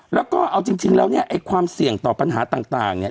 แล้วก็เอาจริงแล้วเนี่ยไอ้ความเสี่ยงต่อปัญหาต่างเนี่ย